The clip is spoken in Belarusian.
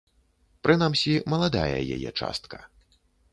Прынамсі, маладая яе частка.